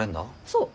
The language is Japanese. そう。